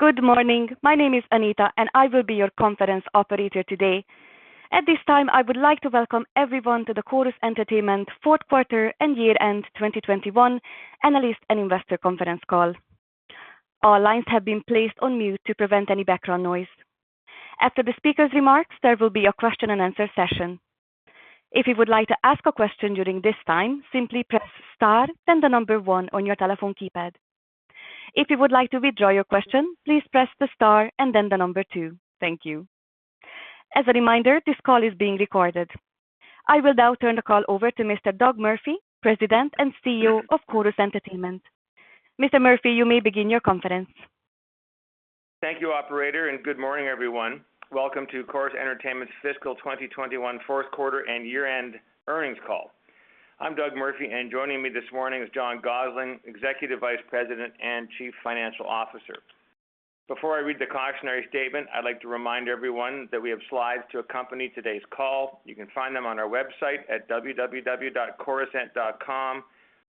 Good morning. My name is Anita, and I will be your conference operator today. At this time, I would like to welcome everyone to the Corus Entertainment fourth quarter and year-end 2021 analyst and investor conference call. All lines have been placed on mute to prevent any background noise. After the speaker's remarks, there will be a question-and-answer session. If you would like to ask a question during this time, simply press star, then the number one on your telephone keypad. If you would like to withdraw your question, please press the star and then the number two. Thank you. As a reminder, this call is being recorded. I will now turn the call over to Mr. Doug Murphy, President and CEO of Corus Entertainment. Mr. Murphy, you may begin your conference. Thank you, operator, and good morning, everyone. Welcome to Corus Entertainment's fiscal 2021 fourth quarter and year-end earnings call. I'm Doug Murphy, and joining me this morning is John Gossling, Executive Vice President and Chief Financial Officer. Before I read the cautionary statement, I'd like to remind everyone that we have slides to accompany today's call. You can find them on our website at www.corusent.com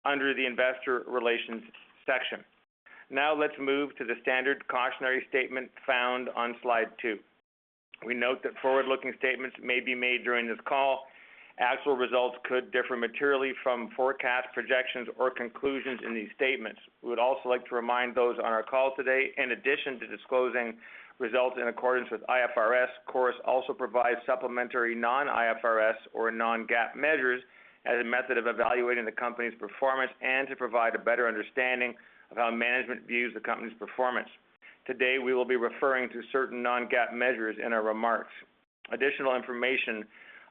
under the Investor Relations section. Now let's move to the standard cautionary statement found on slide two. We note that forward-looking statements may be made during this call. Actual results could differ materially from forecasts, projections, or conclusions in these statements. We would also like to remind those on our call today, in addition to disclosing results in accordance with IFRS, Corus also provides supplementary non-IFRS or non-GAAP measures as a method of evaluating the company's performance and to provide a better understanding of how management views the company's performance. Today, we will be referring to certain non-GAAP measures in our remarks. Additional information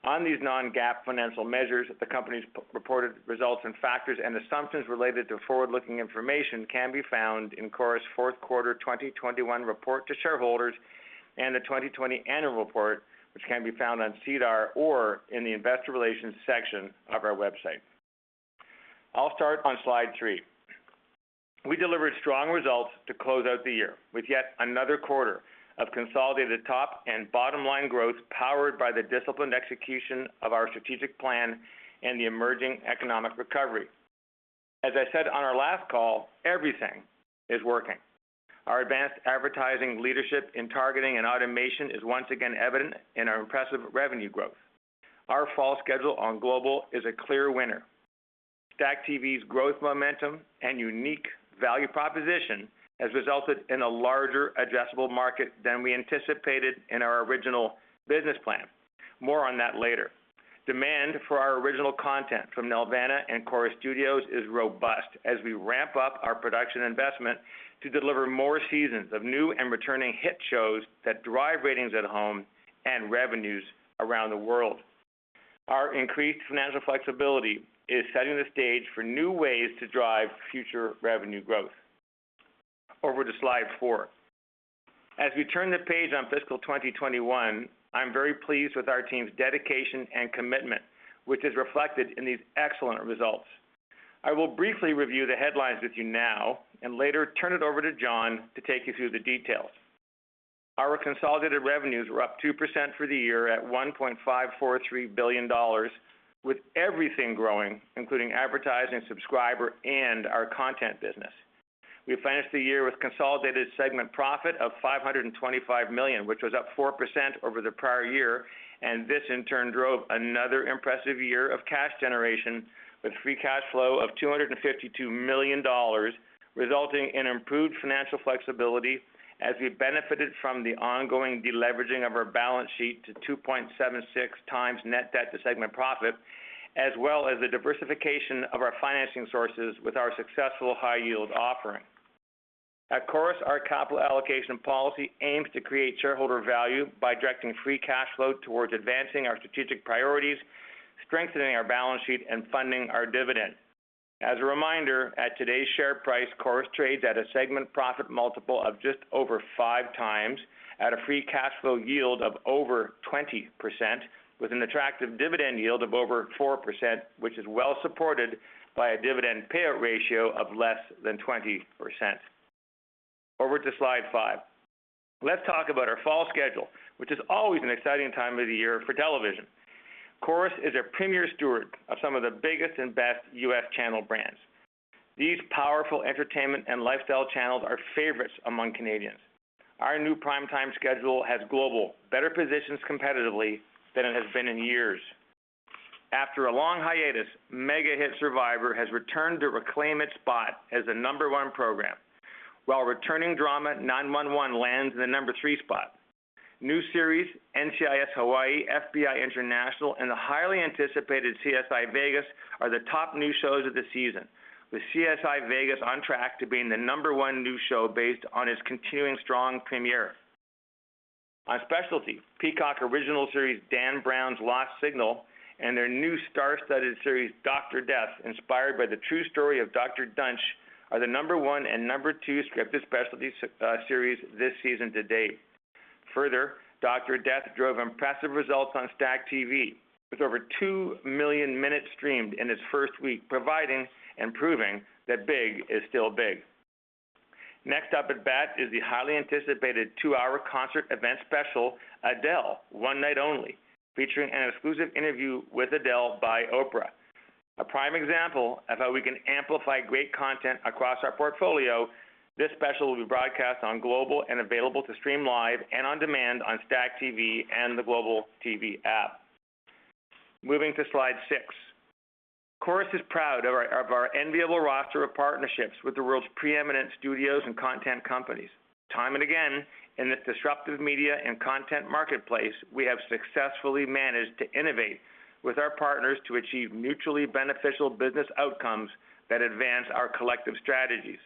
on these non-GAAP financial measures, the company's reported results, and factors and assumptions related to forward-looking information can be found in Corus' fourth quarter 2021 report to shareholders and the 2020 annual report, which can be found on SEDAR or in the investor relations section of our website. I'll start on slide three. We delivered strong results to close out the year, with yet another quarter of consolidated top and bottom-line growth powered by the disciplined execution of our strategic plan and the emerging economic recovery. As I said on our last call, everything is working. Our advanced advertising leadership in targeting and automation is once again evident in our impressive revenue growth. Our fall schedule on Global is a clear winner. STACKTV's growth momentum and unique value proposition has resulted in a larger addressable market than we anticipated in our original business plan. More on that later. Demand for our original content from Nelvana and Corus Studios is robust as we ramp up our production investment to deliver more seasons of new and returning hit shows that drive ratings at home and revenues around the world. Our increased financial flexibility is setting the stage for new ways to drive future revenue growth. Over to slide four. As we turn the page on fiscal 2021, I'm very pleased with our team's dedication and commitment, which is reflected in these excellent results. I will briefly review the headlines with you now, later turn it over to John to take you through the details. Our consolidated revenues were up 2% for the year at 1.543 billion dollars, with everything growing, including advertising, subscriber, and our content business. We finished the year with consolidated segment profit of 525 million, which was up 4% over the prior year, this in turn drove another impressive year of cash generation with free cash flow of 252 million dollars, resulting in improved financial flexibility as we benefited from the ongoing deleveraging of our balance sheet to 2.76 times net debt to segment profit, as well as the diversification of our financing sources with our successful high-yield offering. At Corus, our capital allocation policy aims to create shareholder value by directing free cash flow towards advancing our strategic priorities, strengthening our balance sheet, and funding our dividend. As a reminder, at today's share price, Corus trades at a segment profit multiple of just over five times at a free cash flow yield of over 20%, with an attractive dividend yield of over 4%, which is well supported by a dividend payout ratio of less than 20%. Over to slide 5. Let's talk about our fall schedule, which is always an exciting time of the year for television. Corus is a premier steward of some of the biggest and best U.S. channel brands. These powerful entertainment and lifestyle channels are favorites among Canadians. Our new prime time schedule has Global better positioned competitively than it has been in years. After a long hiatus, mega-hit Survivor has returned to reclaim its spot as the number one program, while returning drama 9-1-1 lands the number three spot. New series, "NCIS: Hawaiʻi," "FBI: International," and the highly anticipated "CSI: Vegas" are the top new shows of the season, with "CSI: Vegas" on track to being the number one new show based on its continuing strong premiere. On Specialty, Peacock original series, "Dan Brown's The Lost Symbol," and their new star-studded series, "Dr. Death," inspired by the true story of Dr. Duntsch, are the number one and number two scripted Specialty series this season to date. "Dr. Death" drove impressive results on STACKTV, with over 2 million minutes streamed in its first week, providing and proving that big is still big. Next up at bat is the highly anticipated two-hour concert event special, Adele: One Night Only, featuring an exclusive interview with Adele by Oprah. A prime example of how we can amplify great content across our portfolio, this special will be broadcast on Global and available to stream live and on demand on STACKTV and the Global TV app. Moving to slide six. Corus is proud of our enviable roster of partnerships with the world's preeminent studios and content companies. Time and again, in this disruptive media and content marketplace, we have successfully managed to innovate with our partners to achieve mutually beneficial business outcomes that advance our collective strategies.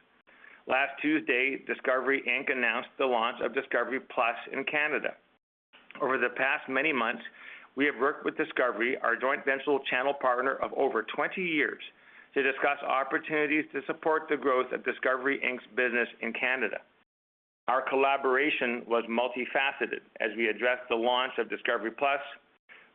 Last Tuesday, Discovery Inc. announced the launch of Discovery+ in Canada. Over the past many months, we have worked with Discovery, our joint venture channel partner of over 20 years, to discuss opportunities to support the growth of Discovery, Inc.'s business in Canada. Our collaboration was multifaceted as we addressed the launch of Discovery+,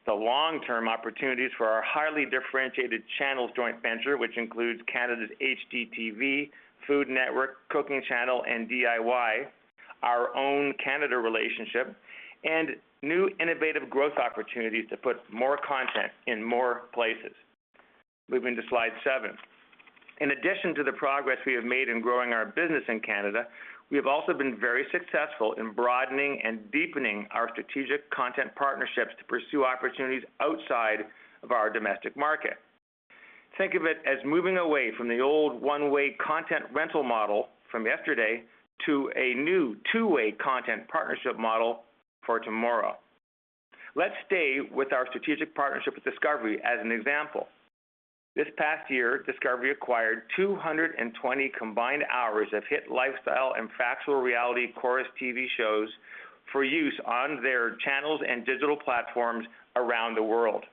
the long-term opportunities for our highly differentiated channels joint venture, which includes Canada's HGTV, Food Network, Cooking Channel, and DIY Network, our OWN Canada relationship, and new innovative growth opportunities to put more content in more places. Moving to slide seven. In addition to the progress we have made in growing our business in Canada, we have also been very successful in broadening and deepening our strategic content partnerships to pursue opportunities outside of our domestic market. Think of it as moving away from the old one-way content rental model from yesterday to a new two-way content partnership model for tomorrow. Let's stay with our strategic partnership with Discovery as an example. This past year, Discovery acquired 220 combined hours of hit lifestyle and factual reality Corus TV shows for use on their channels and digital platforms around the world.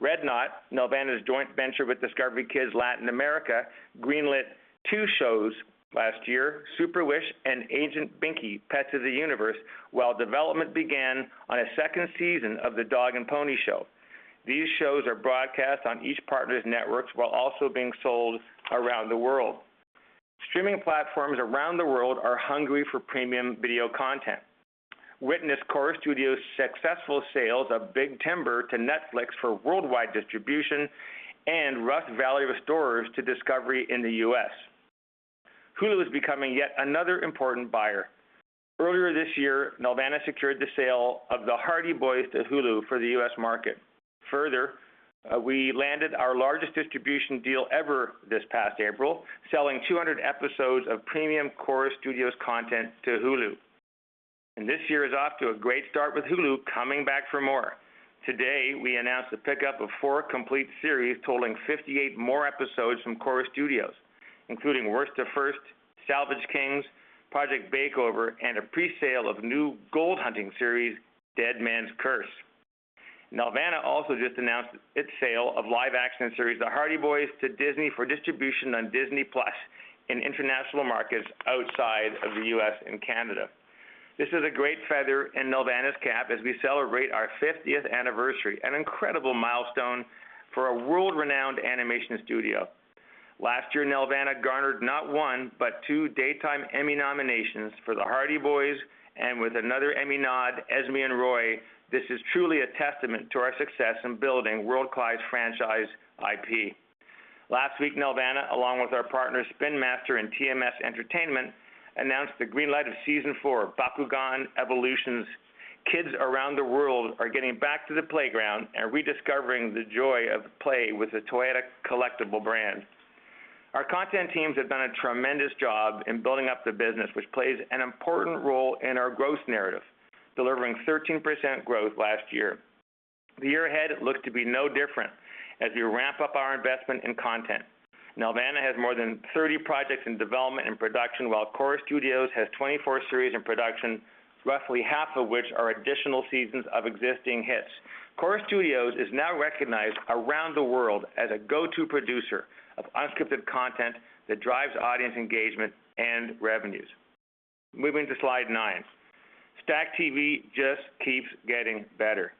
redknot, Nelvana's joint venture with Discovery Kids Latin America, greenlit two shows last year, "Super Wish" and "Agent Binky: Pets of the Universe," while development began on a second season of "The Dog & Pony Show." These shows are broadcast on each partner's networks while also being sold around the world. Streaming platforms around the world are hungry for premium video content. Witness Corus Studios' successful sales of "Big Timber" to Netflix for worldwide distribution and "Rust Valley Restorers" to Discovery in the U.S. Hulu is becoming yet another important buyer. Earlier this year, Nelvana secured the sale of "The Hardy Boys" to Hulu for the U.S. market. We landed our largest distribution deal ever this past April, selling 200 episodes of premium Corus Studios content to Hulu. This year is off to a great start with Hulu coming back for more. Today, we announced the pickup of four complete series totaling 58 more episodes from Corus Studios, including "Worst to First," "Salvage Kings," "Project Bakeover," and a pre-sale of new gold hunting series, "Deadman's Curse." Nelvana also just announced its sale of live-action series, "The Hardy Boys," to Disney for distribution on Disney+ in international markets outside of the U.S. and Canada. This is a great feather in Nelvana's cap as we celebrate our 50th anniversary, an incredible milestone for a world-renowned animation studio. Last year, Nelvana garnered not one, but two Daytime Emmy nominations for "The Hardy Boys," and with another Emmy nod, "Esme and Roy," this is truly a testament to our success in building worldwide franchise IP. Last week, Nelvana, along with our partners Spin Master and TMS Entertainment, announced the greenlight of season four of "Bakugan: Evolutions." Kids around the world are getting back to the playground and rediscovering the joy of play with the toyetic collectible brand. Our content teams have done a tremendous job in building up the business, which plays an important role in our growth narrative, delivering 13% growth last year. The year ahead looks to be no different as we ramp up our investment in content. Nelvana has more than 30 projects in development and production, while Corus Studios has 24 series in production, roughly half of which are additional seasons of existing hits. Corus Studios is now recognized around the world as a go-to producer of unscripted content that drives audience engagement and revenues. Moving to slide 9. StackTV just keeps getting better.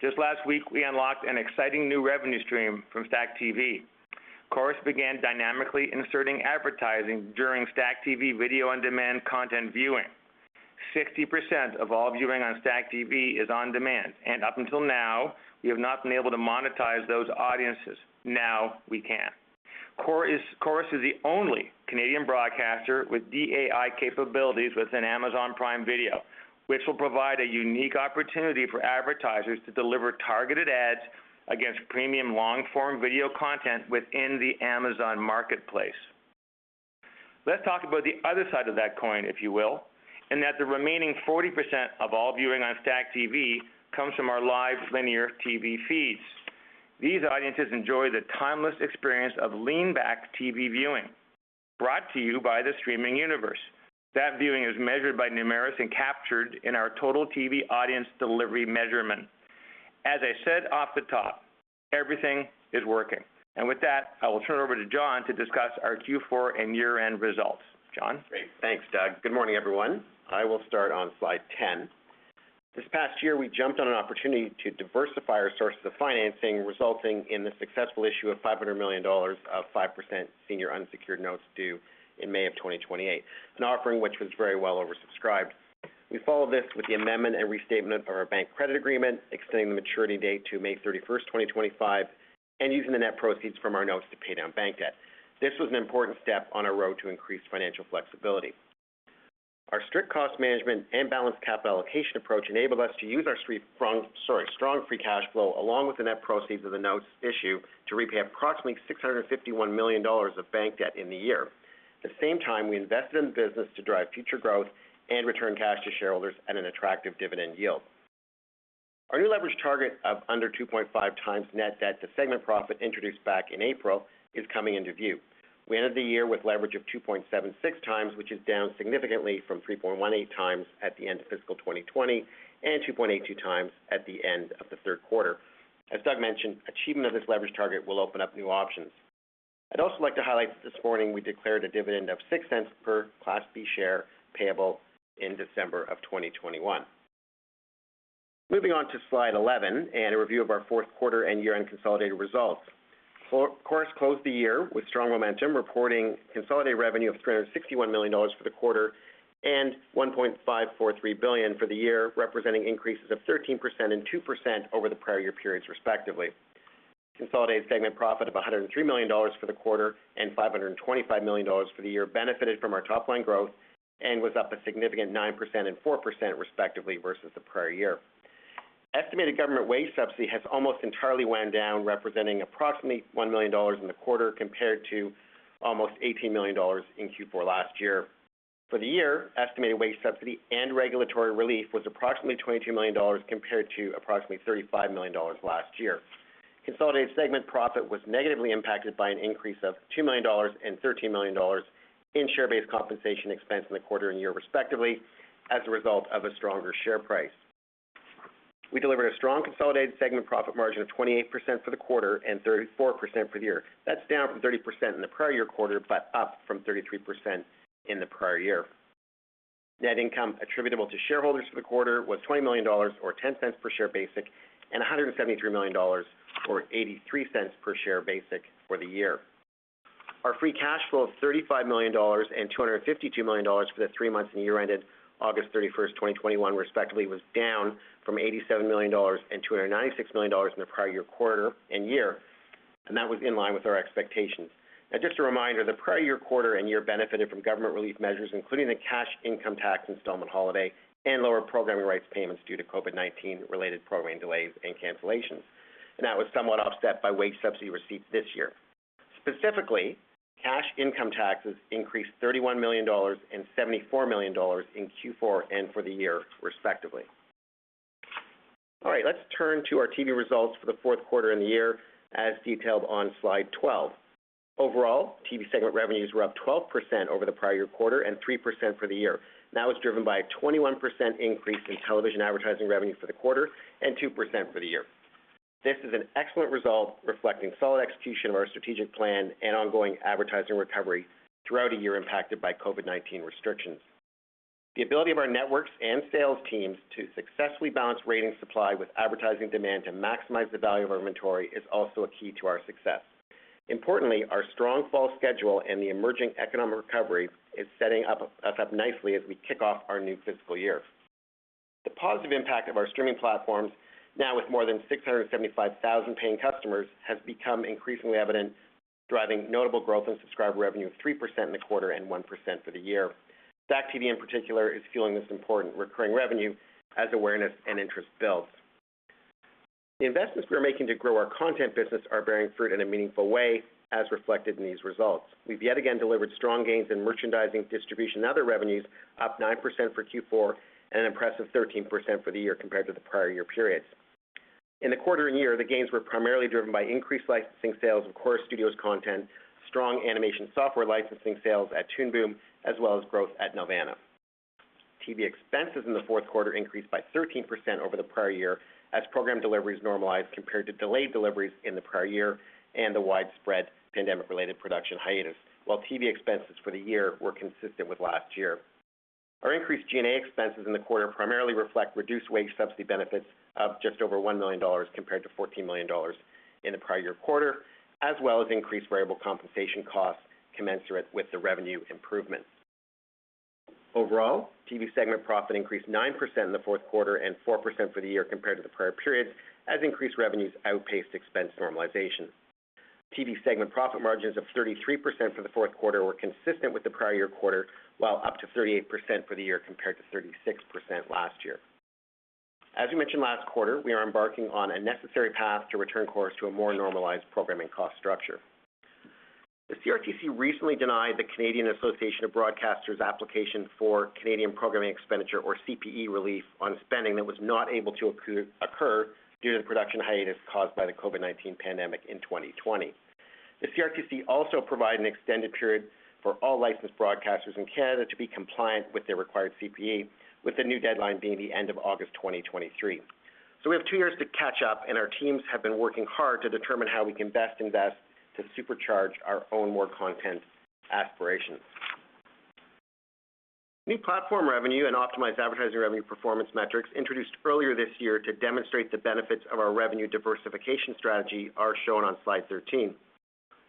Just last week, we unlocked an exciting new revenue stream from StackTV. Corus began dynamically inserting advertising during StackTV video on-demand content viewing. 60% of all viewing on StackTV is on demand. Up until now, we have not been able to monetize those audiences. Now we can. Corus is the only Canadian broadcaster with DAI capabilities within Amazon Prime Video, which will provide a unique opportunity for advertisers to deliver targeted ads against premium long-form video content within the Amazon marketplace. Let's talk about the other side of that coin, if you will, in that the remaining 40% of all viewing on StackTV comes from our live linear TV feeds. These audiences enjoy the timeless experience of lean-back TV viewing, brought to you by the streaming universe. That viewing is measured by Numeris and captured in our TotalTV audience delivery measurement. As I said off the top, everything is working. With that, I will turn it over to John to discuss our Q4 and year-end results. John? Great. Thanks, Doug. Good morning, everyone. I will start on slide 10. This past year, we jumped on an opportunity to diversify our sources of financing, resulting in the successful issue of 500 million dollars of 5% senior unsecured notes due in May of 2028, an offering which was very well oversubscribed. We followed this with the amendment and restatement of our bank credit agreement, extending the maturity date to May 31st, 2025, and using the net proceeds from our notes to pay down bank debt. This was an important step on our road to increased financial flexibility. Our strict cost management and balanced capital allocation approach enabled us to use our strong free cash flow, along with the net proceeds of the notes issued, to repay approximately 651 million dollars of bank debt in the year. At the same time, we invested in the business to drive future growth and return cash to shareholders at an attractive dividend yield. Our new leverage target of under 2.5 times net debt to segment profit introduced back in April is coming into view. We ended the year with leverage of 2.76 times, which is down significantly from 3.18 times at the end of fiscal 2020, and 2.82 times at the end of the third quarter. As Doug mentioned, achievement of this leverage target will open up new options. I'd also like to highlight that this morning we declared a dividend of 0.06 per Class B share payable in December of 2021. Moving on to slide 11, and a review of our fourth quarter and year-end consolidated results. Corus closed the year with strong momentum, reporting consolidated revenue of 361 million dollars for the quarter and 1.543 billion for the year, representing increases of 13% and 2% over the prior year periods respectively. Consolidated segment profit of 103 million dollars for the quarter and 525 million dollars for the year benefited from our top-line growth and was up a significant 9% and 4% respectively versus the prior year. Estimated government wage subsidy has almost entirely wound down, representing approximately 1 million dollars in the quarter, compared to almost 18 million dollars in Q4 last year. For the year, estimated wage subsidy and regulatory relief was approximately 22 million dollars compared to approximately 35 million dollars last year. Consolidated segment profit was negatively impacted by an increase of 2 million dollars and 13 million dollars in share-based compensation expense in the quarter and year respectively as a result of a stronger share price. We delivered a strong consolidated segment profit margin of 28% for the quarter and 34% for the year. That's down from 30% in the prior year quarter, but up from 33% in the prior year. Net income attributable to shareholders for the quarter was 20 million dollars, or 0.10 per share basic, and 173 million dollars, or 0.83 per share basic for the year. Our free cash flow of 35 million dollars and 252 million dollars for the 3 months and year ended August 31st, 2021, respectively, was down from 87 million dollars and 296 million dollars in the prior year quarter and year. That was in line with our expectations. Just a reminder, the prior year quarter and year benefited from government relief measures, including the cash income tax installment holiday and lower programming rights payments due to COVID-19 related programming delays and cancellations. That was somewhat offset by wage subsidy receipts this year. Specifically, cash income taxes increased 31 million dollars and 74 million dollars in Q4 and for the year respectively. All right. Let's turn to our TV results for the fourth quarter and the year, as detailed on slide 12. Overall, TV segment revenues were up 12% over the prior year quarter and 3% for the year. That was driven by a 21% increase in television advertising revenue for the quarter and 2% for the year. This is an excellent result reflecting solid execution of our strategic plan and ongoing advertising recovery throughout a year impacted by COVID-19 restrictions. The ability of our networks and sales teams to successfully balance rating supply with advertising demand to maximize the value of our inventory is also a key to our success. Importantly, our strong fall schedule and the emerging economic recovery is setting us up nicely as we kick off our new fiscal year. The positive impact of our streaming platforms, now with more than 675,000 paying customers, has become increasingly evident, driving notable growth in subscriber revenue of 3% in the quarter and 1% for the year. STACKTV in particular is fueling this important recurring revenue as awareness and interest builds. The investments we are making to grow our content business are bearing fruit in a meaningful way, as reflected in these results. We've yet again delivered strong gains in merchandising, distribution and other revenues up 9% for Q4 and an impressive 13% for the year compared to the prior year periods. In the quarter and year, the gains were primarily driven by increased licensing sales of Corus Studios content, strong animation software licensing sales at Toon Boom, as well as growth at Nelvana. TV expenses in the fourth quarter increased by 13% over the prior year as program deliveries normalized compared to delayed deliveries in the prior year and the widespread pandemic-related production hiatus, while TV expenses for the year were consistent with last year. Our increased G&A expenses in the quarter primarily reflect reduced wage subsidy benefits of just over 1 million dollars compared to 14 million dollars in the prior year quarter, as well as increased variable compensation costs commensurate with the revenue improvements. Overall, TV segment profit increased 9% in the fourth quarter and 4% for the year compared to the prior period as increased revenues outpaced expense normalization. TV segment profit margins of 33% for the fourth quarter were consistent with the prior year quarter, while up to 38% for the year compared to 36% last year. As we mentioned last quarter, we are embarking on a necessary path to return Corus to a more normalized programming cost structure. The CRTC recently denied the Canadian Association of Broadcasters application for Canadian Programming Expenditure, or CPE relief, on spending that was not able to occur due to the production hiatus caused by the COVID-19 pandemic in 2020. The CRTC also provided an extended period for all licensed broadcasters in Canada to be compliant with their required CPE, with the new deadline being the end of August 2023. We have 2 years to catch up, and our teams have been working hard to determine how we can best invest to supercharge our own more content aspirations. New platform revenue and optimized advertising revenue performance metrics introduced earlier this year to demonstrate the benefits of our revenue diversification strategy are shown on slide 13.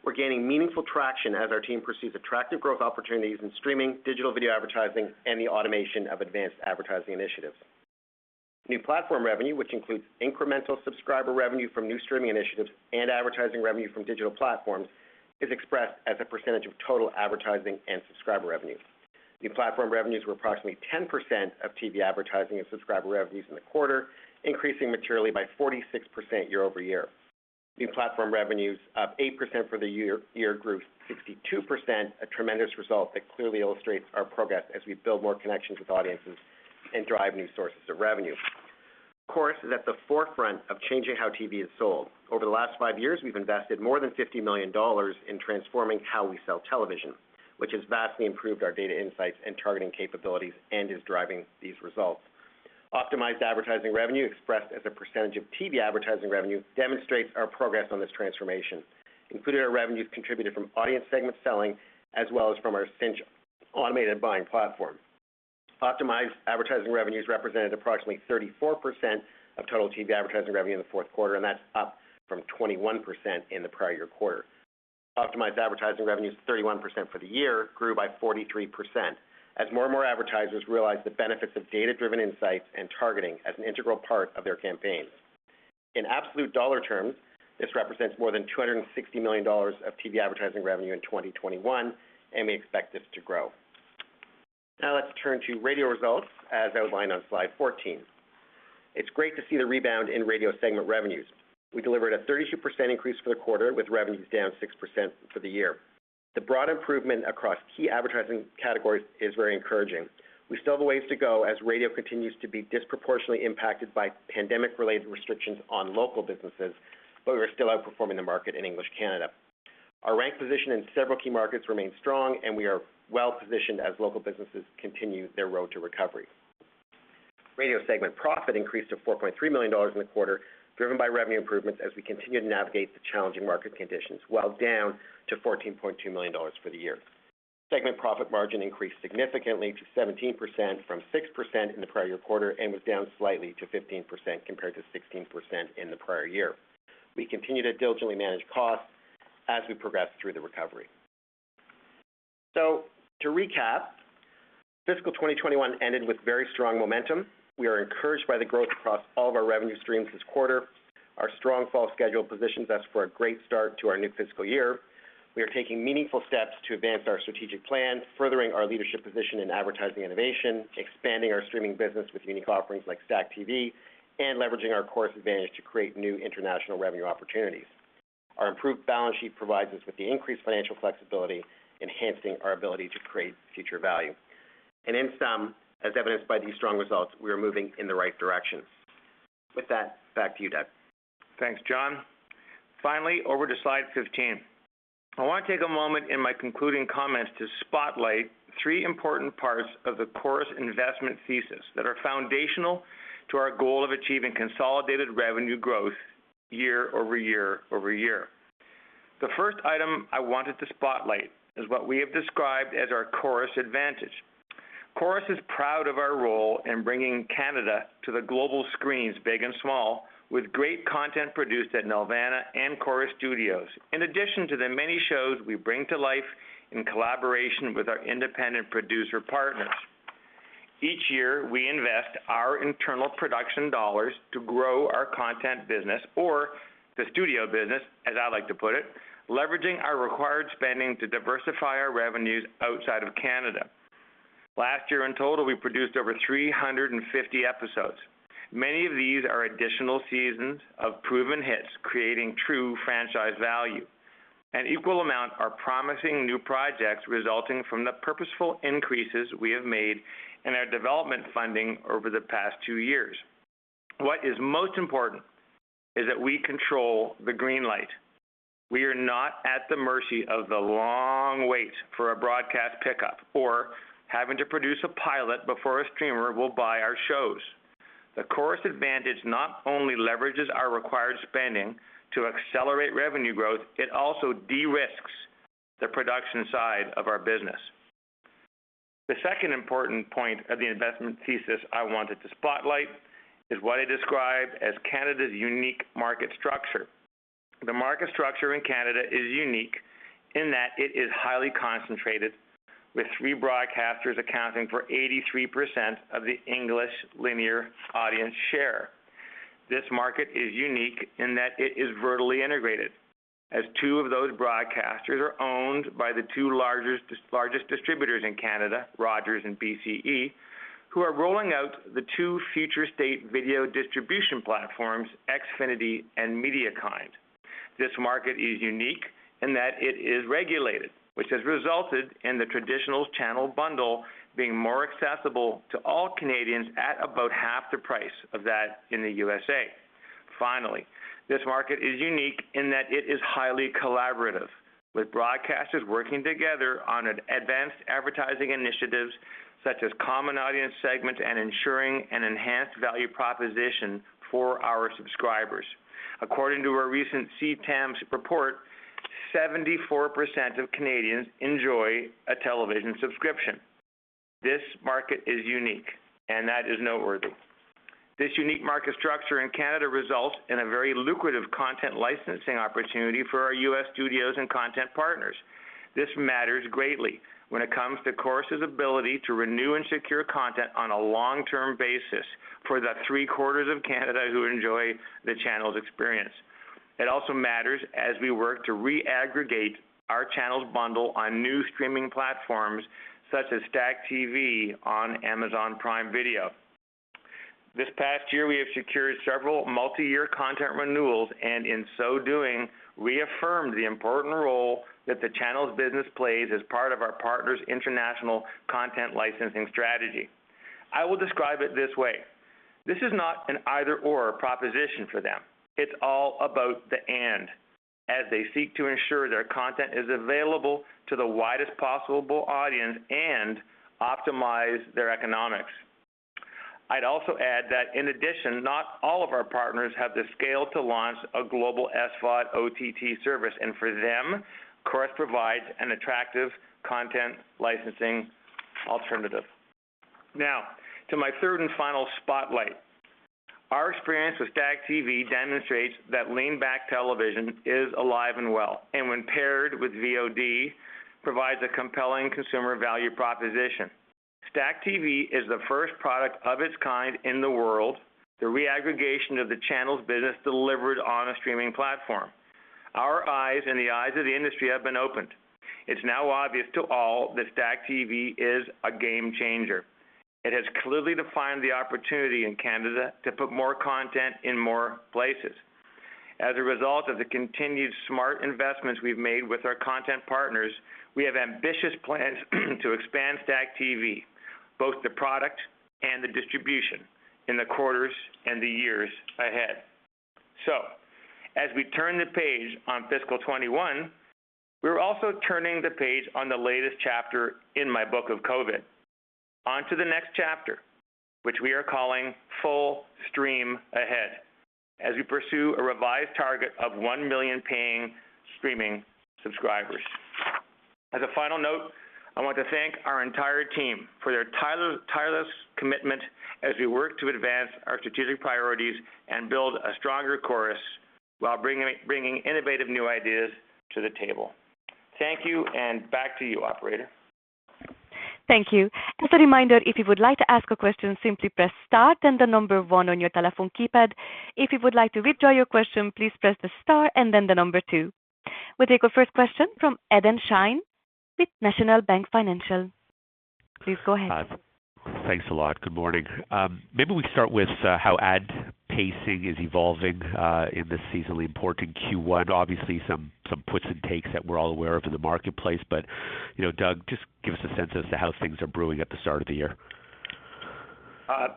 We're gaining meaningful traction as our team pursues attractive growth opportunities in streaming, digital video advertising, and the automation of advanced advertising initiatives. New platform revenue, which includes incremental subscriber revenue from new streaming initiatives and advertising revenue from digital platforms, is expressed as a percentage of total advertising and subscriber revenue. New platform revenues were approximately 10% of TV advertising and subscriber revenues in the quarter, increasing materially by 46% year-over-year. New platform revenues, up 8% for the year, grew 52%, a tremendous result that clearly illustrates our progress as we build more connections with audiences and drive new sources of revenue. Corus is at the forefront of changing how TV is sold. Over the last five years, we've invested more than 50 million dollars in transforming how we sell television, which has vastly improved our data insights and targeting capabilities and is driving these results. Optimized advertising revenue, expressed as a percentage of TV advertising revenue, demonstrates our progress on this transformation, including our revenues contributed from audience segment selling, as well as from our Cynch automated buying platform. Optimized advertising revenues represented approximately 34% of total TV advertising revenue in the fourth quarter, and that's up from 21% in the prior year quarter. Optimized advertising revenues, 31% for the year, grew by 43% as more and more advertisers realize the benefits of data-driven insights and targeting as an integral part of their campaigns. In absolute dollar terms, this represents more than 260 million dollars of TV advertising revenue in 2021, and we expect this to grow. Now let's turn to radio results, as outlined on slide 14. It's great to see the rebound in radio segment revenues. We delivered a 32% increase for the quarter, with revenues down 6% for the year. The broad improvement across key advertising categories is very encouraging. We still have a ways to go as radio continues to be disproportionately impacted by pandemic-related restrictions on local businesses, but we are still outperforming the market in English Canada. Our rank position in several key markets remains strong, and we are well positioned as local businesses continue their road to recovery. Radio segment profit increased to 4.3 million dollars in the quarter, driven by revenue improvements as we continue to navigate the challenging market conditions, while down to 14.2 million dollars for the year. Segment profit margin increased significantly to 17% from 6% in the prior year quarter and was down slightly to 15% compared to 16% in the prior year. We continue to diligently manage costs as we progress through the recovery. To recap, fiscal 2021 ended with very strong momentum. We are encouraged by the growth across all of our revenue streams this quarter. Our strong fall schedule positions us for a great start to our new fiscal year. We are taking meaningful steps to advance our strategic plans, furthering our leadership position in advertising innovation, expanding our streaming business with unique offerings like STACKTV, and leveraging our Corus Advantage to create new international revenue opportunities. Our improved balance sheet provides us with the increased financial flexibility, enhancing our ability to create future value. In sum, as evidenced by these strong results, we are moving in the right direction. With that, back to you, Doug. Thanks, John. Finally, over to slide 15. I want to take a moment in my concluding comments to spotlight three important parts of the Corus Entertainment investment thesis that are foundational to our goal of achieving consolidated revenue growth year-over-year over year. The first item I wanted to spotlight is what we have described as our Corus Advantage. Corus Entertainment is proud of our role in bringing Canada to the global screens, big and small, with great content produced at Nelvana and Corus Studios, in addition to the many shows we bring to life in collaboration with our independent producer partners. Each year, we invest our internal production dollars to grow our content business or the studio business, as I like to put it, leveraging our required spending to diversify our revenues outside of Canada. Last year in total, we produced over 350 episodes. Many of these are additional seasons of proven hits, creating true franchise value. An equal amount are promising new projects resulting from the purposeful increases we have made in our development funding over the past 2 years. What is most important is that we control the green light. We are not at the mercy of the long wait for a broadcast pickup or having to produce a pilot before a streamer will buy our shows. The Corus Advantage not only leverages our required spending to accelerate revenue growth, it also de-risks the production side of our business. The second important point of the investment thesis I wanted to spotlight is what I describe as Canada's unique market structure. The market structure in Canada is unique in that it is highly concentrated, with 3 broadcasters accounting for 83% of the English linear audience share. This market is unique in that it is vertically integrated, as 2 of those broadcasters are owned by the 2 largest distributors in Canada, Rogers and BCE, who are rolling out the 2 future state video distribution platforms, Xfinity and MediaKind. This market is unique in that it is regulated, which has resulted in the traditional channel bundle being more accessible to all Canadians at about half the price of that in the U.S.A. Finally, this market is unique in that it is highly collaborative, with broadcasters working together on advanced advertising initiatives such as common audience segments and ensuring an enhanced value proposition for our subscribers. According to a recent CTAM's report, 74% of Canadians enjoy a television subscription. This market is unique, and that is noteworthy. This unique market structure in Canada results in a very lucrative content licensing opportunity for our U.S. studios and content partners. This matters greatly when it comes to Corus's ability to renew and secure content on a long-term basis for the three-quarters of Canada who enjoy the channel's experience. It also matters as we work to re-aggregate our channels bundle on new streaming platforms such as STACKTV on Amazon Prime Video. This past year, we have secured several multi-year content renewals, in so doing, reaffirmed the important role that the channels' business plays as part of our partners' international content licensing strategy. I will describe it this way. This is not an either/or proposition for them. It's all about the "and" as they seek to ensure their content is available to the widest possible audience and optimize their economics. I'd also add that in addition, not all of our partners have the scale to launch a global SVOD OTT service, for them, Corus provides an attractive content licensing alternative. To my 3rd and final spotlight. Our experience with STACKTV demonstrates that lean-back television is alive and well, and when paired with VOD, provides a compelling consumer value proposition. STACKTV is the 1st product of its kind in the world, the re-aggregation of the channels business delivered on a streaming platform. Our eyes and the eyes of the industry have been opened. It's now obvious to all that STACKTV is a game changer. It has clearly defined the opportunity in Canada to put more content in more places. As a result of the continued smart investments we've made with our content partners, we have ambitious plans to expand STACKTV, both the product and the distribution, in the quarters and the years ahead. As we turn the page on fiscal 2021, we're also turning the page on the latest chapter in my book of COVID. On to the next chapter, which we are calling Full Stream Ahead, as we pursue a revised target of 1 million paying streaming subscribers. As a final note, I want to thank our entire team for their tireless commitment as we work to advance our strategic priorities and build a stronger Corus while bringing innovative new ideas to the table. Thank you, and back to you, operator. Thank you. As a reminder, if you would like to ask a question, simply press star then the number one on your telephone keypad. If you would like to withdraw your question, please press the star and then the number two. We'll take our first question from Adam Shine with National Bank Financial. Please go ahead. Thanks a lot. Good morning. Maybe we start with how ad pacing is evolving in this seasonally important Q1. Obviously, some puts and takes that we are all aware of in the marketplace. Doug, just give us a sense as to how things are brewing at the start of the year. Hi,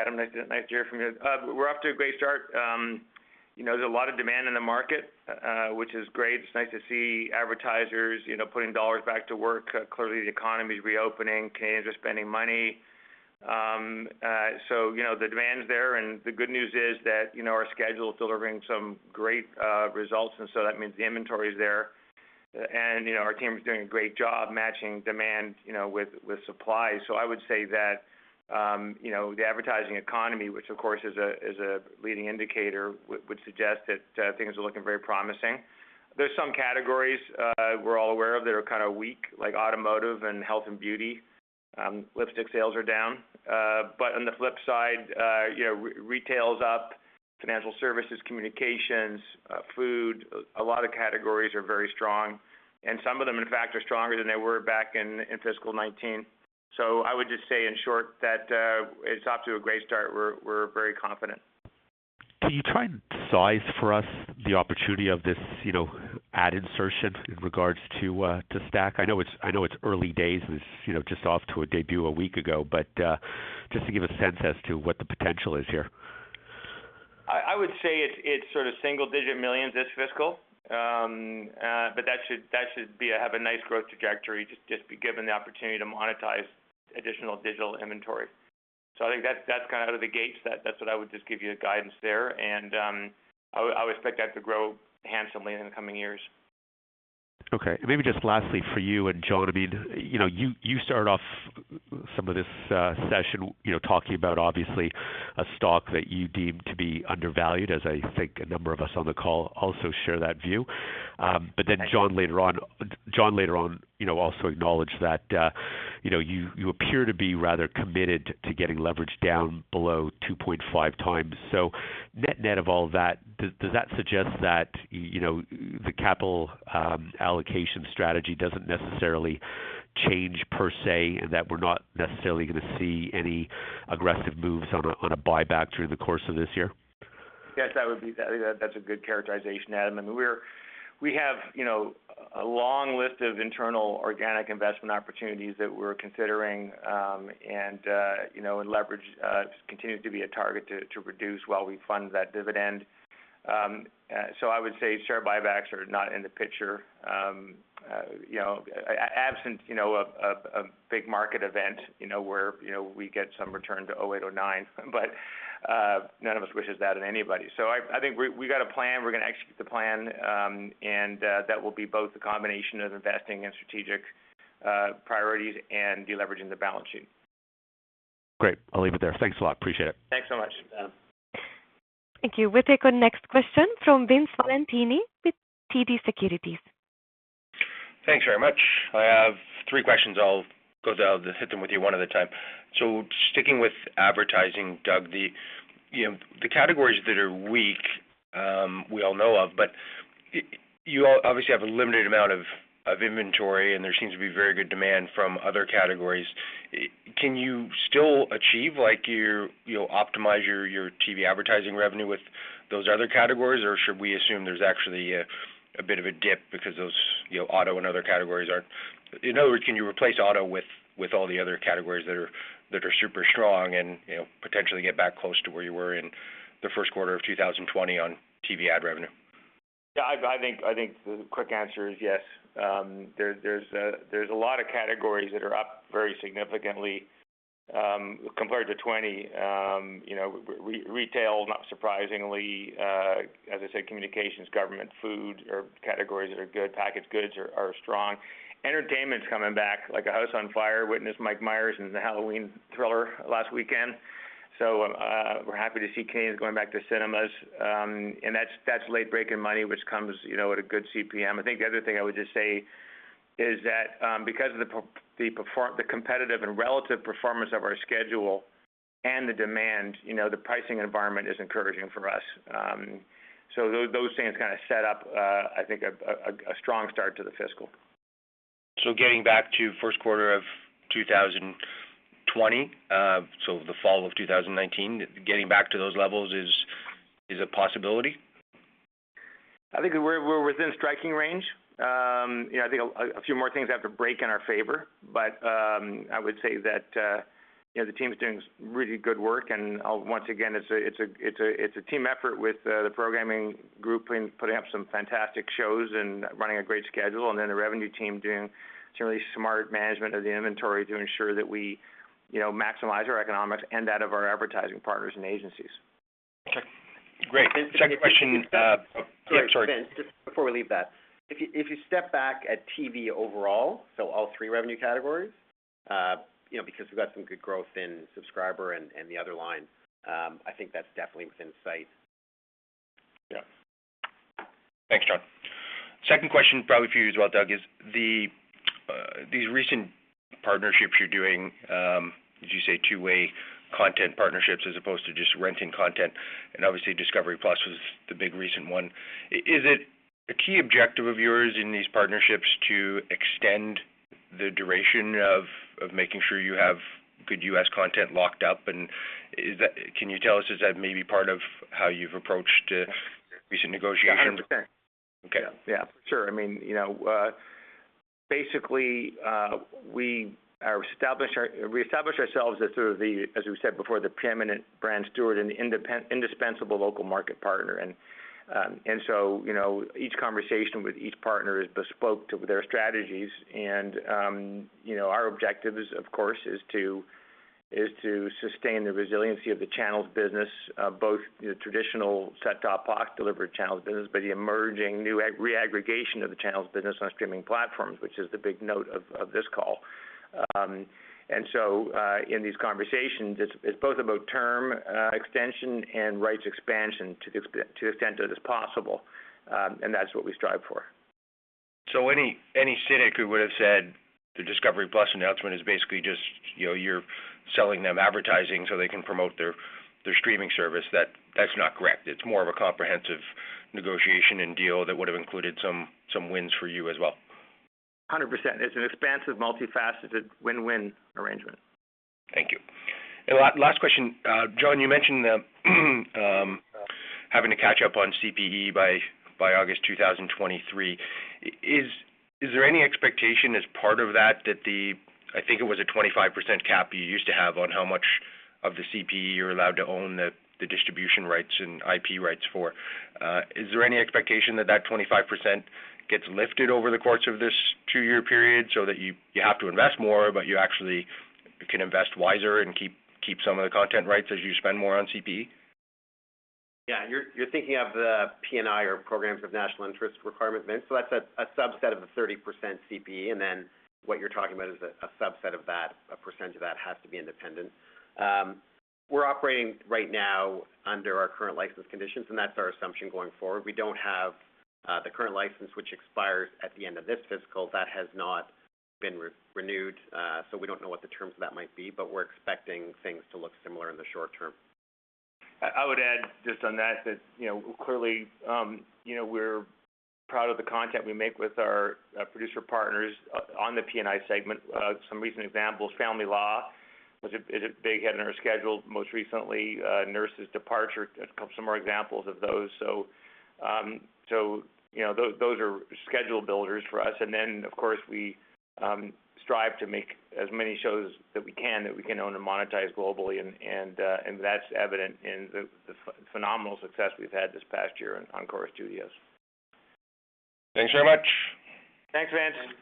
Adam. Nice to hear from you. We're off to a great start. There's a lot of demand in the market, which is great. It's nice to see advertisers putting dollars back to work. Clearly, the economy's reopening. Canadians are spending money. The demand's there, and the good news is that our schedule is delivering some great results, and so that means the inventory's there. Our team is doing a great job matching demand with supply. I would say that the advertising economy, which of course is a leading indicator, would suggest that things are looking very promising. There's some categories we're all aware of that are weak, like automotive and health and beauty. Lipstick sales are down. On the flip side, retail's up, financial services, communications, food. A lot of categories are very strong, and some of them, in fact, are stronger than they were back in fiscal 2019. I would just say, in short, that it's off to a great start. We're very confident. Can you try and size for us the opportunity of this ad insertion in regards to STACKTV? I know it's early days, and it's just off to a debut a week ago, but just to give a sense as to what the potential is here. I would say it's CAD single-digit millions this fiscal. That should have a nice growth trajectory, just be given the opportunity to monetize additional digital inventory. I think that's out of the gates. That's what I would just give you as guidance there, and I would expect that to grow handsomely in the coming years. Okay. Maybe just lastly for you and John, you start off some of this session talking about, obviously, a stock that you deem to be undervalued, as I think a number of us on the call also share that view. John later on also acknowledged that you appear to be rather committed to getting leverage down below 2.5 times. Net of all that, does that suggest that the capital allocation strategy doesn't necessarily change per se, and that we're not necessarily going to see any aggressive moves on a buyback through the course of this year? Yes, that's a good characterization, Adam. We have a long list of internal organic investment opportunities that we're considering, and leverage continues to be a target to reduce while we fund that dividend. I would say share buybacks are not in the picture. Absent a big market event where we get some return to 2008, 2009, but none of us wishes that on anybody. I think we've got a plan. We're going to execute the plan, and that will be both a combination of investing in strategic priorities and deleveraging the balance sheet. Great. I'll leave it there. Thanks a lot. Appreciate it. Thanks so much, Adam. Thank you. We'll take our next question from Vince Valentini with TD Securities. Thanks very much. I have 3 questions. I'll hit them with you 1 at a time. Sticking with advertising, Doug, the categories that are weak, we all know of, but you all obviously have a limited amount of inventory and there seems to be very good demand from other categories. Can you still optimize your TV advertising revenue with those other categories? Should we assume there's actually a bit of a dip because those auto and other categories aren't. In other words, can you replace auto with all the other categories that are super strong and potentially get back close to where you were in the 1st quarter of 2020 on TV ad revenue? I think the quick answer is yes. There's a lot of categories that are up very significantly compared to 2020. Retail, not surprisingly, as I said, communications, government, food are categories that are good. Packaged goods are strong. Entertainment's coming back like a house on fire. Witness Michael Myers in the Halloween thriller last weekend. We're happy to see Canadians going back to cinemas. That's late breaking money, which comes at a good CPM. I think the other thing I would just say is that because of the competitive and relative performance of our schedule and the demand, the pricing environment is encouraging for us. Those things set up I think a strong start to the fiscal. Getting back to 1st quarter of 2020, so the fall of 2019, getting back to those levels is a possibility? I think we're within striking range. I think a few more things have to break in our favor. I would say that the team's doing really good work. Once again, it's a team effort with the programming group putting up some fantastic shows and running a great schedule. Then the revenue team doing generally smart management of the inventory to ensure that we maximize our economics and that of our advertising partners and agencies. Okay, great. Second question. Sorry, Vince, just before we leave that. If you step back at TV overall, so all three revenue categories, because we've got some good growth in subscriber and the other line, I think that's definitely within sight. Yeah. Thanks, John. Second question probably for you as well, Doug, is these recent partnerships you're doing, did you say two-way content partnerships as opposed to just renting content, and obviously Discovery+ was the big recent one. Is it a key objective of yours in these partnerships to extend the duration of making sure you have good U.S. content locked up? Can you tell us, is that maybe part of how you've approached recent negotiations? Yeah, 100%. Okay. Yeah, sure. Basically, we established ourselves as sort of the, as we said before, the preeminent brand steward and the indispensable local market partner. Each conversation with each partner is bespoke to their strategies. Our objective is, of course, is to sustain the resiliency of the channels business, both traditional set-top box delivered channels business, but the emerging new reaggregation of the channels business on streaming platforms, which is the big note of this call. In these conversations, it's both about term extension and rights expansion to the extent that it's possible, and that's what we strive for. Any cynic who would've said the Discovery+ announcement is basically just you're selling them advertising so they can promote their streaming service, that's not correct. It's more of a comprehensive negotiation and deal that would've included some wins for you as well. 100%. It's an expansive, multifaceted win-win arrangement. Thank you. Last question. John, you mentioned having to catch up on CPE by August 2023. Is there any expectation as part of that the, I think it was a 25% cap you used to have on how much of the CPE you're allowed to own the distribution rights and IP rights for? Is there any expectation that that 25% gets lifted over the course of this two-year period so that you have to invest more, but you actually can invest wiser and keep some of the content rights as you spend more on CPE? Yeah. You're thinking of the PNI or Programs of National Interest requirement, Vince. That's a subset of the 30% CPE, and then what you're talking about is a subset of that, a percentage of that has to be independent. We're operating right now under our current license conditions, and that's our assumption going forward. We don't have the current license, which expires at the end of this fiscal. That has not been renewed, so we don't know what the terms of that might be, but we're expecting things to look similar in the short term. I would add just on that clearly we're proud of the content we make with our producer partners on the PNI segment. Some recent examples, "Family Law" is a big hit in our schedule. Most recently, "Nurses", "Departure" are a couple more examples of those. Those are schedule builders for us. Of course, we strive to make as many shows that we can that we can own and monetize globally, and that's evident in the phenomenal success we've had this past year on Corus Studios. Thanks very much. Thanks, Vince.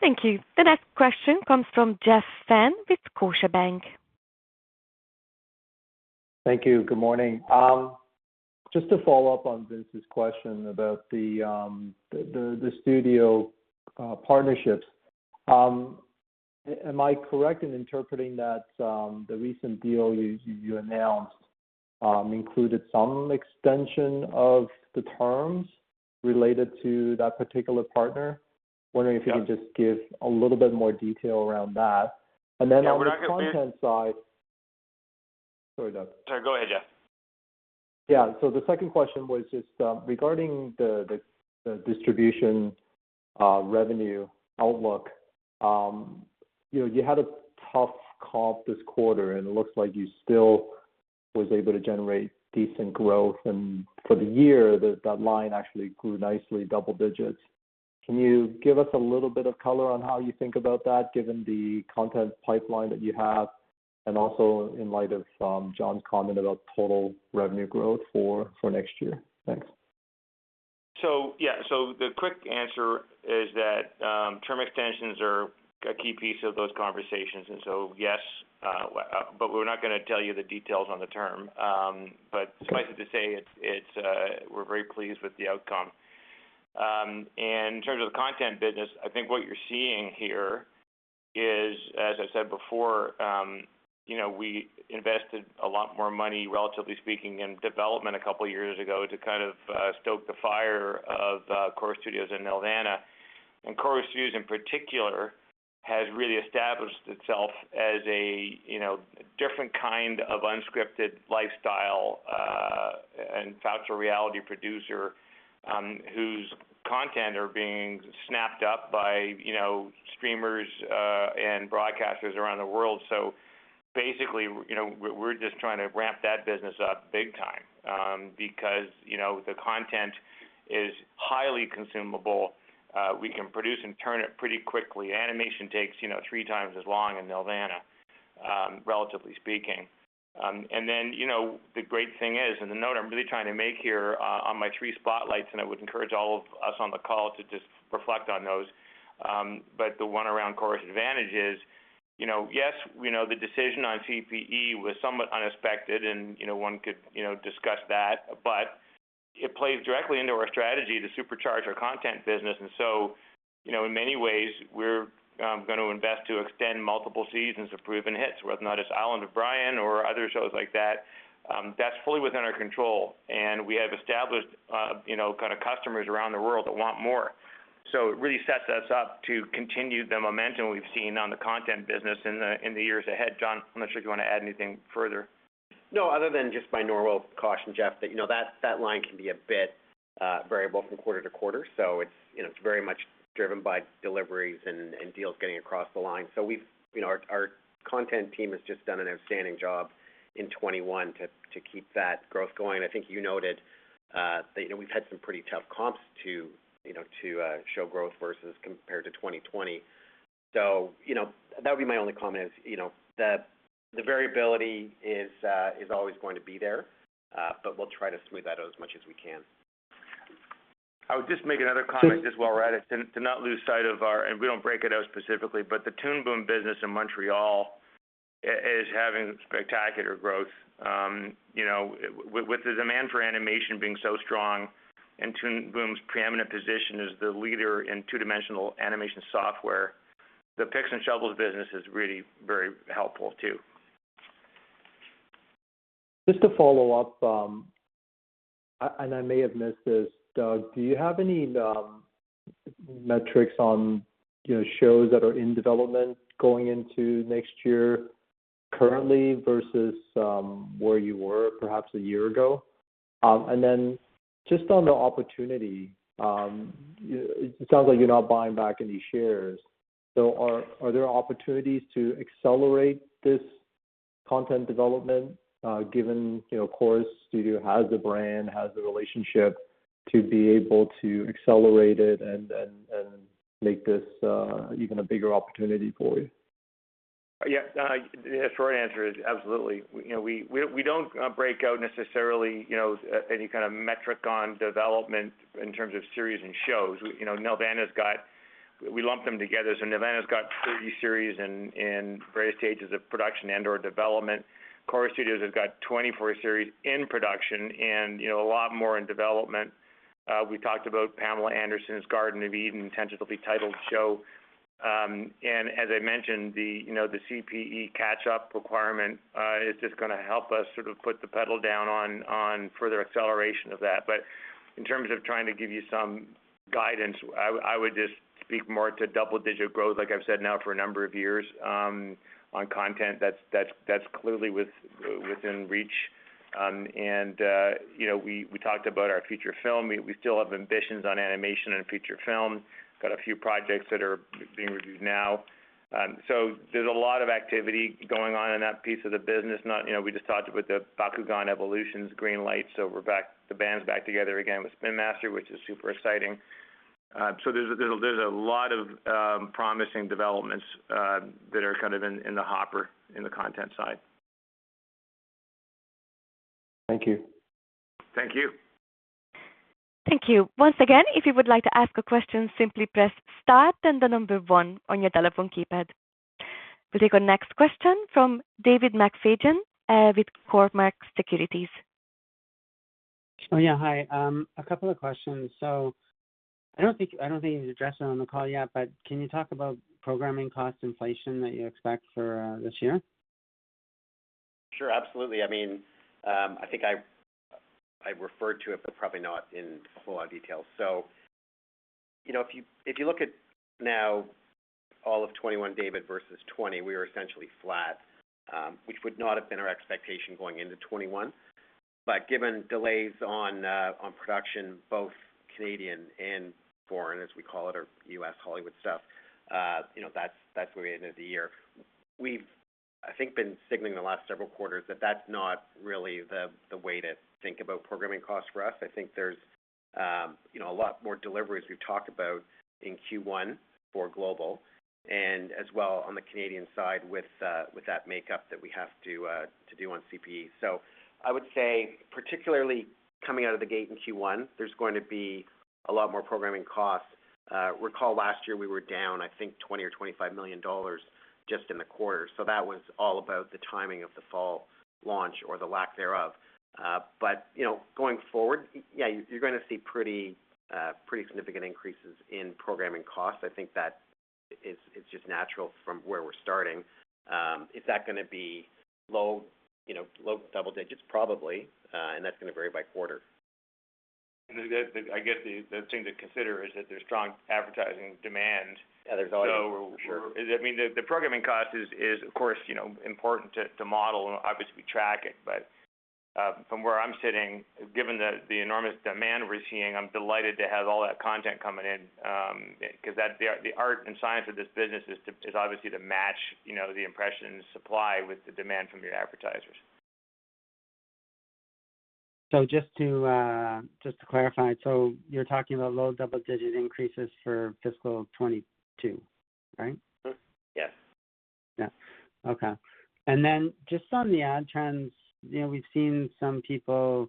Thank you. The next question comes from Jeff Fan with Scotiabank. Thank you. Good morning. Just to follow up on Vince's question about the studio partnerships. Am I correct in interpreting that the recent deal you announced included some extension of the terms related to that particular partner? Yeah. Wondering if you could just give a little bit more detail around that? Yeah. On the content side. Sorry, Doug. No, go ahead, Jeff. The second question was just regarding the distribution revenue outlook. You had a tough comp this quarter, and it looks like you still was able to generate decent growth. For the year, that line actually grew nicely, double digits. Can you give us a little bit of color on how you think about that, given the content pipeline that you have, and also in light of John's comment about total revenue growth for next year? Thanks. The quick answer is that term extensions are a key piece of those conversations. Yes, but we're not going to tell you the details on the term. Suffice it to say, we're very pleased with the outcome. In terms of the content business, I think what you're seeing here is, as I said before, we invested a lot more money, relatively speaking, in development a couple of years ago to kind of stoke the fire of Corus Studios and Nelvana. Corus Studios in particular, has really established itself as a different kind of unscripted lifestyle and factual reality producer, whose content are being snapped up by streamers and broadcasters around the world. Basically, we're just trying to ramp that business up big time. Because the content is highly consumable. We can produce and turn it pretty quickly. Animation takes three times as long in Nelvana, relatively speaking. The great thing is, the note I'm really trying to make here on my three spotlights, I would encourage all of us on the call to just reflect on those. The one around Corus Advantage is, yes, the decision on CPE was somewhat unexpected and one could discuss that. It plays directly into our strategy to supercharge our content business. In many ways, we're going to invest to extend multiple seasons of proven hits, whether or not it's "Island of Bryan" or other shows like that's fully within our control. We have established customers around the world that want more. It really sets us up to continue the momentum we've seen on the content business in the years ahead. John, I'm not sure if you want to add anything further. No, other than just my normal caution, Jeff, that that line can be a bit variable from quarter-to-quarter. It's very much driven by deliveries and deals getting across the line. Our content team has just done an outstanding job in 2021 to keep that growth going. I think you noted that we've had some pretty tough comps to show growth versus compared to 2020. That would be my only comment is the variability is always going to be there. We'll try to smooth that out as much as we can. I would just make another comment as well, Ratick, to not lose sight of and we don't break it out specifically, but the Toon Boom business in Montreal is having spectacular growth. With the demand for animation being so strong and Toon Boom's preeminent position as the leader in two-dimensional animation software, the picks and shovels business is really very helpful, too. Just to follow up, and I may have missed this, Doug, do you have any metrics on shows that are in development going into next year currently versus where you were perhaps a year ago? Just on the opportunity, it sounds like you're not buying back any shares. Are there opportunities to accelerate this content development given Corus Studios has the brand, has the relationship to be able to accelerate it and make this even a bigger opportunity for you? Yeah. The short answer is absolutely. We don't break out necessarily any kind of metric on development in terms of series and shows. We lump them together. Nelvana's got 30 series in various stages of production and/or development. Corus Studios has got 24 series in production and a lot more in development. We talked about Pamela's Garden of Eden, intentionally titled show. As I mentioned, the CPE catch-up requirement is just going to help us sort of put the pedal down on further acceleration of that. In terms of trying to give you some guidance, I would just speak more to double-digit growth, like I've said now for a number of years, on content that's clearly within reach. We talked about our feature film. We still have ambitions on animation and feature film. We got a few projects that are being reviewed now. There's a lot of activity going on in that piece of the business. We just talked with the Bakugan: Evolutions green light, the band's back together again with Spin Master, which is super exciting. There's a lot of promising developments that are kind of in the hopper in the content side. Thank you. Thank you. We'll take our next question from David McFadgen with Cormark Securities. Oh, yeah. Hi. A couple of questions. I don't think you've addressed it on the call yet, but can you talk about programming cost inflation that you expect for this year? Sure, absolutely. I think I referred to it, probably not in a whole lot of detail. If you look at now all of 2021, David, versus 2020, we were essentially flat, which would not have been our expectation going into 2021. Given delays on production, both Canadian and foreign, as we call it, our U.S. Hollywood stuff, that's the way it ended the year. We've, I think, been signaling the last several quarters that that's not really the way to think about programming costs for us. I think there's a lot more deliveries we've talked about in Q1 for Global, and as well on the Canadian side with that makeup that we have to do on CPE. I would say, particularly coming out of the gate in Q1, there's going to be a lot more programming costs. Recall last year we were down, I think, 20 million or 25 million dollars just in the quarter. That was all about the timing of the fall launch or the lack thereof. Going forward, yeah, you're going to see pretty significant increases in programming costs. I think that is just natural from where we're starting. Is that going to be low double digits? Probably. That's going to vary by quarter. I guess the thing to consider is that there's strong advertising demand. Yeah, there's always. Sure. The programming cost is, of course, important to model and obviously track it, but from where I'm sitting, given the enormous demand we're seeing, I'm delighted to have all that content coming in. The art and science of this business is obviously to match the impression and supply with the demand from your advertisers. Just to clarify, so you're talking about low double-digit increases for fiscal 2022, right? Mm-hmm. Yes. Yeah. Okay. Then just on the ad trends, we've seen some people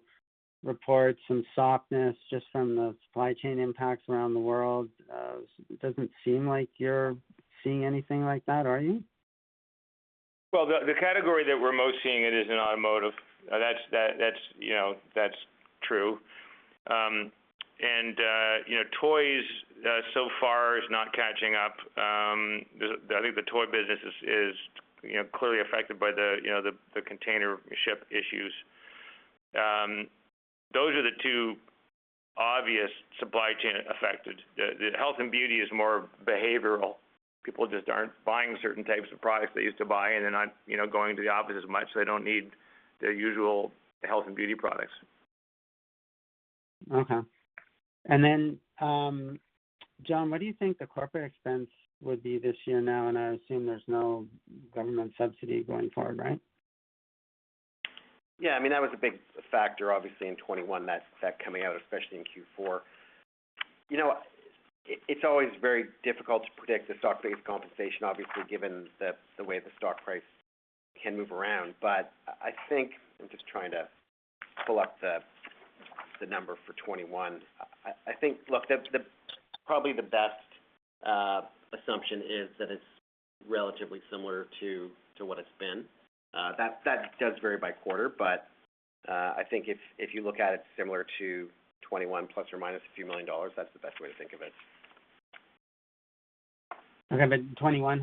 report some softness just from the supply chain impacts around the world. It doesn't seem like you're seeing anything like that, are you? The category that we're most seeing it is in automotive. That's true. Toys so far is not catching up. I think the toy business is clearly affected by the container ship issues. Those are the two obvious supply chain affected. The health and beauty is more behavioral. People just aren't buying certain types of products they used to buy, and they're not going to the office as much, so they don't need their usual health and beauty products. Okay. Then, John, what do you think the corporate expense would be this year now? I assume there's no government subsidy going forward, right? Yeah, that was a big factor, obviously, in 2021, that coming out, especially in Q4. It's always very difficult to predict the stock-based compensation, obviously, given the way the stock price can move around. I think, I'm just trying to pull up the number for 2021. I think, look, probably the best assumption is that it's relatively similar to what it's been. That does vary by quarter, I think if you look at it similar to 2021, plus or minus a few million CAD, that's the best way to think of it. Okay, didn't 2021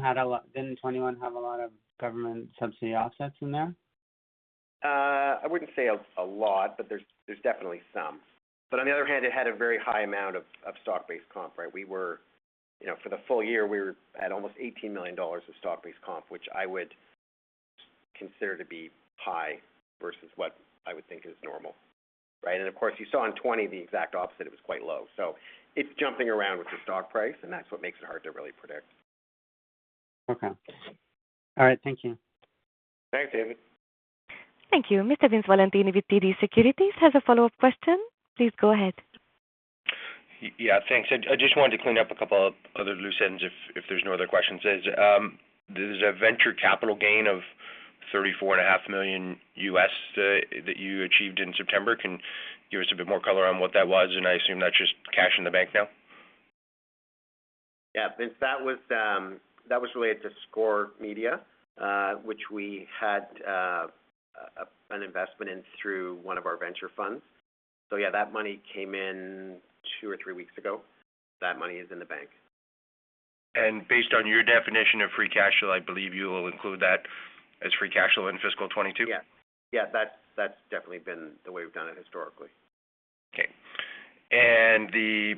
have a lot of government subsidy offsets in there? I wouldn't say a lot, but there's definitely some. On the other hand, it had a very high amount of stock-based comp, right? For the full year, we had almost 18 million dollars of stock-based comp, which I would consider to be high versus what I would think is normal. Right? Of course, you saw in 2020 the exact opposite. It was quite low. It's jumping around with the stock price, and that's what makes it hard to really predict. Okay. All right. Thank you. Thanks, David. Thank you. Mr. Vince Valentini with TD Securities has a follow-up question. Please go ahead. Yeah. Thanks. I just wanted to clean up a couple of other loose ends if there's no other questions. There's a venture capital gain of $34 and a half million US that you achieved in September. Can you give us a bit more color on what that was? I assume that's just cash in the bank now. Yeah, Vince, that was related to Score Media, which we had an investment in through one of our venture funds. Yeah, that money came in two or three weeks ago. That money is in the bank. Based on your definition of free cash flow, I believe you will include that as free cash flow in fiscal 2022? Yeah. That's definitely been the way we've done it historically. Okay. The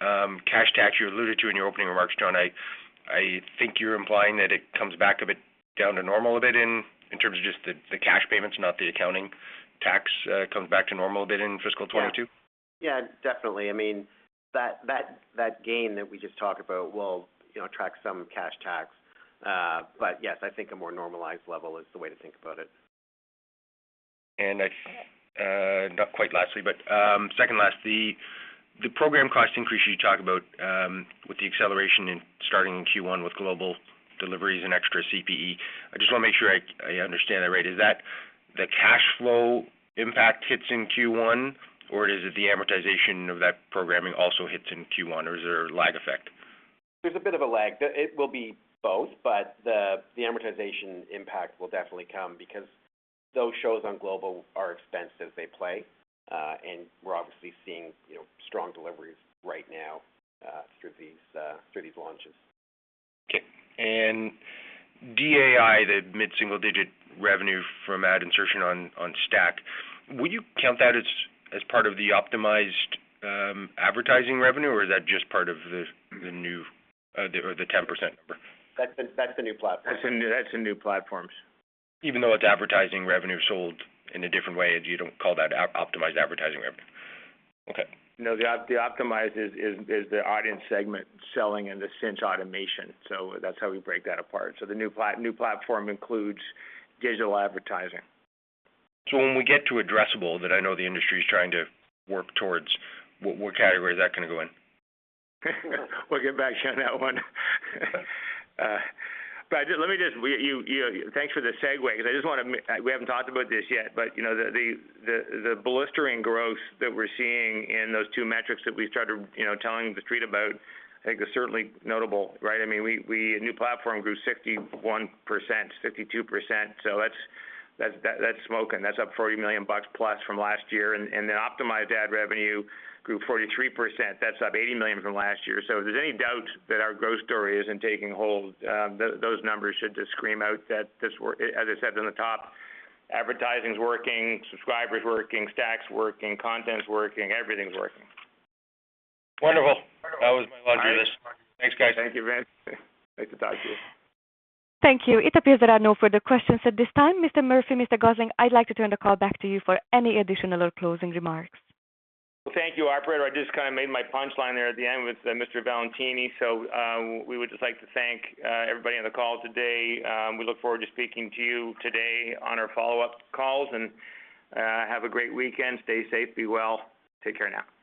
cash tax you alluded to in your opening remarks, John, I think you're implying that it comes back a bit down to normal a bit in terms of just the cash payments, not the accounting tax comes back to normal a bit in fiscal 2022? Yeah, definitely. That gain that we just talked about will track some cash tax. Yes, I think a more normalized level is the way to think about it. Not quite lastly, but second last, the program cost increase you talk about with the acceleration in starting in Q1 with Global deliveries and extra CPE. I just want to make sure I understand that right. Is that the cash flow impact hits in Q1, or is it the amortization of that programming also hits in Q1, or is there a lag effect? There's a bit of a lag. It will be both, but the amortization impact will definitely come because those shows on Global are expensed as they play. We're obviously seeing strong deliveries right now through these launches. Okay. DAI, the mid-single digit revenue from ad insertion on STACKTV, would you count that as part of the optimized advertising revenue, or is that just part of the new 10% number? That's the new platform. That's in new platforms. Even though it's advertising revenue sold in a different way, you don't call that optimized advertising revenue? Okay. No, the optimize is the audience segment selling in the Cynch automation. That's how we break that apart. The new platform includes digital advertising. When we get to addressable, that I know the industry's trying to work towards, what category is that going to go in? We'll get back to you on that one. Thanks for the segue, because we haven't talked about this yet, but the blistering growth that we're seeing in those two metrics that we started telling the street about, I think is certainly notable, right? New platform grew 61%, 62%, so that's smoking. That's up 40 million bucks plus from last year. Optimized ad revenue grew 43%. That's up 80 million from last year. If there's any doubt that our growth story isn't taking hold, those numbers should just scream out that, as I said from the top, advertising's working, subscriber's working, STACKTV's working, content's working, everything's working. Wonderful. That was my laundry list. Thanks, guys. Thank you, Vince. Nice to talk to you. Thank you. It appears that are no further questions at this time. Mr. Murphy, Mr. Gossling, I'd like to turn the call back to you for any additional or closing remarks. Thank you, operator. I just made my punchline there at the end with Mr. Valentini. We would just like to thank everybody on the call today. We look forward to speaking to you today on our follow-up calls, and have a great weekend. Stay safe, be well. Take care now.